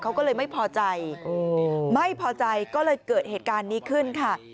เขาก็เลยไม่พอใจไม่พอใจก็เลยเกิดเหตุการณ์นี้ขึ้นค่ะ